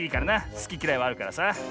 すききらいはあるからさ。